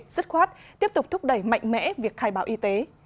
dứt khoát tiếp tục thúc đẩy mạnh mẽ việc khai báo y tế